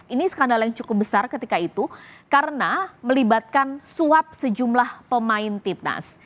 ini skandal yang cukup besar ketika itu karena melibatkan suap sejumlah pemain timnas